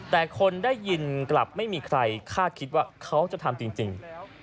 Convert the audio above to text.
แต่คนได้ยินกลับไม่มีใครคาดคิดว่าเขาจะทำจริง